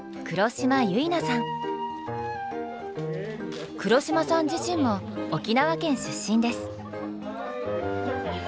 黒島さん自身も沖縄県出身です。